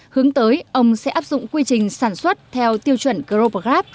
hướng tới ông sẽ áp dụng quy trình sản xuất theo tiêu chuẩn grovergas